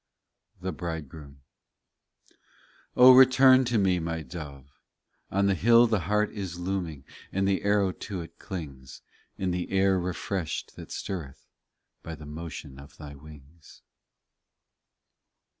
THE BRIDEGROOM O return to me, my dove ; On the hill the hart is looming, And the arrow to it clings In the air refreshed that stirreth By the motion of thy wings.